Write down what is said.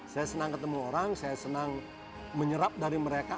saya senang ketemu orang saya senang menyerap dari mereka